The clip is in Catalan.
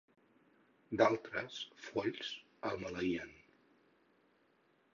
D'altres, folls, el maleïen.